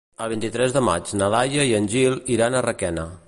El vint-i-tres de maig na Laia i en Gil iran a Requena.